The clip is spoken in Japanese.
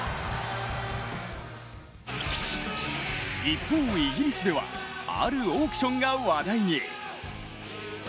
一方、イギリスではあるオークションが話題に。